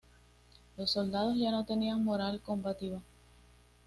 Los soldados ya no tenían moral combativa.